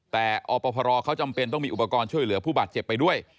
แต่อพรเขาจำเป็นต้องมีอุปกรณ์ช่วยเหลือผู้บาดเจ็บไปด้วย